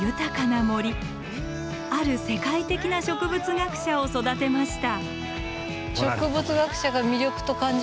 ある世界的な植物学者を育てました。